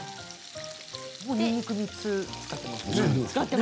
もうにんにく３つ使っていますね。